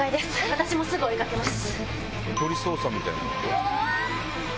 私もすぐ追い掛けます。